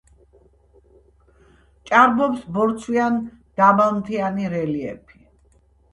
ჭარბობს ბორცვიან-დაბალმთიანი რელიეფი.